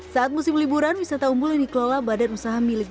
saat musim liburan wisata umbul yang dikelola badan usaha milik